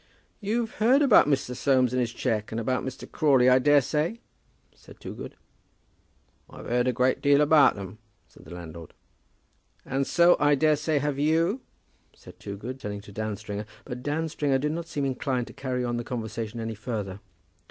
"You've heard about Mr. Soames and his cheque, and about Mr. Crawley, I daresay?" said Toogood. "I've heard a deal about them," said the landlord. "And so, I daresay, have you?" said Toogood, turning to Dan Stringer. But Dan Stringer did not seem inclined to carry on the conversation any further.